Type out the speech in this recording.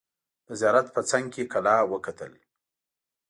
د زیارت په څنګ کې کلا وکتل.